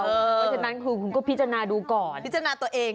เพราะฉะนั้นคุณก็พิจารณาดูก่อน